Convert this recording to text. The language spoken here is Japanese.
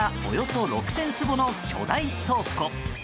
およそ６０００坪の巨大倉庫。